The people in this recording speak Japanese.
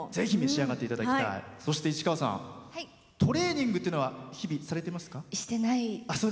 そして、市川さんトレーニングというのはしていないです。